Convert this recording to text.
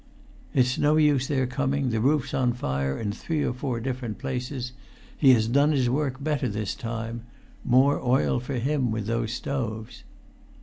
"It is no use their coming. The roof's on fire in three or four different places. He has done his work better this time; more oil for him, with those stoves!"